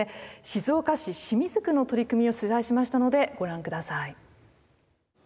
静岡市清水区の取り組みを取材しましたのでご覧下さい。